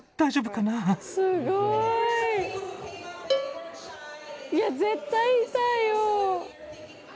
すごい。いや絶対痛いよ。